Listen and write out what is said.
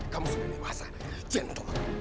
kamu semua bisa jentuh